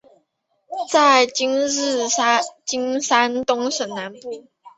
在今山东省南部。